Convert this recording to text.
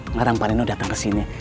ngarang pak reno datang ke sini